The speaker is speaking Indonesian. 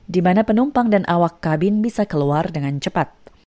di mana penumpang dan awak kabin bisa keluar dengan cepat